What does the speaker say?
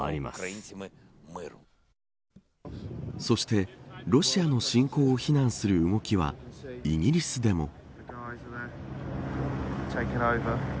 そしてロシアの侵攻を非難する動きはイギリスでも。